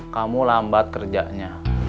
kamu lambat kerjanya